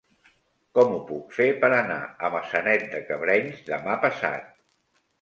Com ho puc fer per anar a Maçanet de Cabrenys demà passat?